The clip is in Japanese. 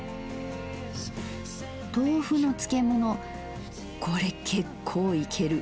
豆腐の漬物これ結構イケる。